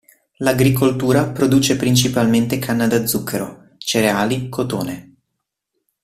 L'agricoltura produce principalmente canna da zucchero, cereali, cotone.